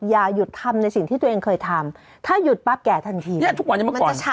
อย่าหยุดทำในสิ่งที่ตัวเองเคยทำถ้ายุดปั๊บแก่ทันที